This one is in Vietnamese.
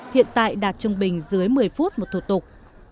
hiện tại đạt trung bình dưới một mươi phút một thủ tục